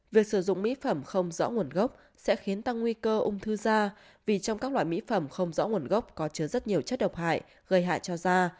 việc sử dụng mỹ phẩm không rõ nguồn gốc sẽ khiến tăng nguy cơ ung thư da vì trong các loại mỹ phẩm không rõ nguồn gốc có chứa rất nhiều chất độc hại gây hại cho da